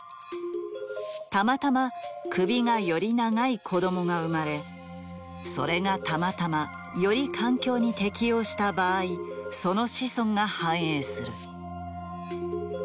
たまたま首がより長い子供が生まれそれがたまたまより環境に適応した場合その子孫が繁栄する。